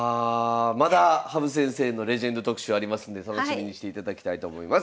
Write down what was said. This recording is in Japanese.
まだ羽生先生のレジェンド特集ありますんで楽しみにしていただきたいと思います。